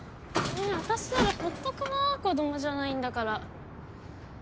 アタシならほっとくな子どもじゃないんだから。